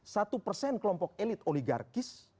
satu persen kelompok elit oligarkis